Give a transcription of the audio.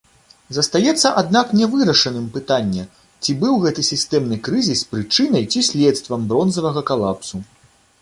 Застаецца, аднак, нявырашаным пытанне, ці быў гэты сістэмны крызіс прычынай ці следствам бронзавага калапсу.